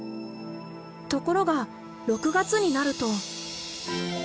ところが６月になると。